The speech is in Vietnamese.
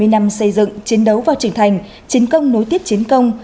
bảy mươi năm xây dựng chiến đấu và trưởng thành chiến công nối tiếp chiến công